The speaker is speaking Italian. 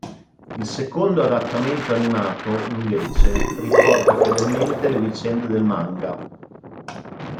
Il secondo adattamento animato, invece, riporta fedelmente le vicende del manga.